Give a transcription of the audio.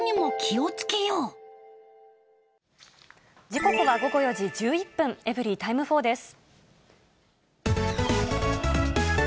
時刻は午後４時１１分、エブリィタイム４です。